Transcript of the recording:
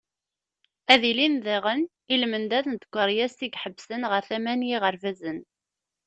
Ad ilin diɣen i lmendad n tkeryas i iḥebbsen ɣer tama n yiɣerbazen.